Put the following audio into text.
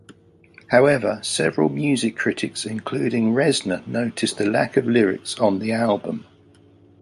However, several music critics including Reznor noticed the lack of lyrics on the album.